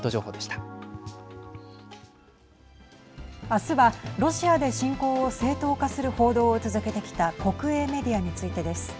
明日はロシアで侵攻を正当化する報道を続けてきた国営メディアについてです。